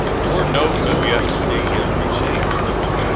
Your note of yesterday is received.